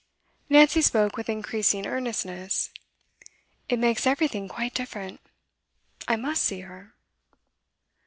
Nancy spoke with increasing earnestness. 'It makes everything quite different. I must see her.